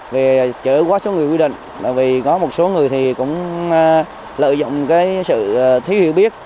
vì chở quá số người quy định là vì có một số người thì cũng lợi dụng cái sự thiếu hiểu biết